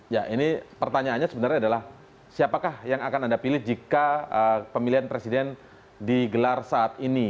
ya ini pertanyaannya sebenarnya adalah siapakah yang akan anda pilih jika pemilihan presiden digelar saat ini